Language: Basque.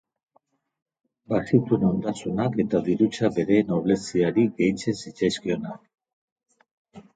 Bazituen ondasunak eta dirutza bere nobleziari gehitzen zitzaizkionak.